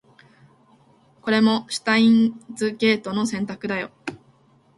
これもシュタインズゲートの選択だよ